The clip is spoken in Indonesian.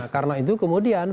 karena itu kemudian